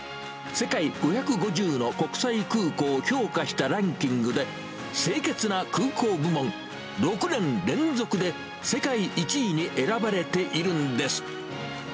世界５５０の国際空港を評価したランキングで、清潔な空港部門６年連続で世界１位に選ばれているんです。